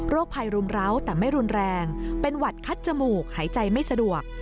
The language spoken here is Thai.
ภัยรุมร้าวแต่ไม่รุนแรงเป็นหวัดคัดจมูกหายใจไม่สะดวก